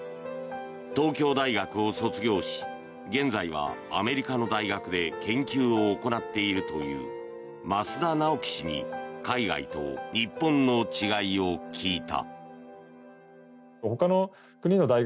東京大学を卒業し現在はアメリカの大学で研究を行っているという増田直紀氏に海外と日本の違いを聞いた。